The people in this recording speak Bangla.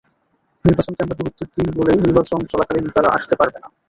নির্বাচনকে আমরা গুরুত্ব দিই বলেই নির্বাচন চলাকালীন তারা আসতে পারবে না।